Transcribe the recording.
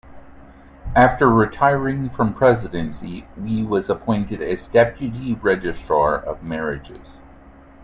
After retiring from presidency, Wee was appointed as deputy registrar of marriages.